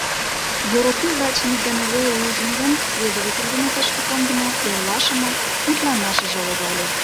Йоропий врачым ик гана веле ужын гын, следователь дене тышке кондымо эрлашымак мутланашыже логале.